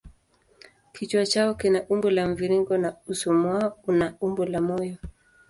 Kichwa chao kina umbo la mviringo na uso mwao una umbo la moyo.